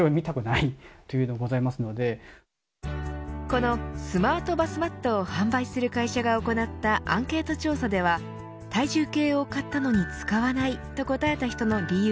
このスマートバスマットを販売する会社が行ったアンケート調査では体重計を買ったのに使わないと答えた人の理由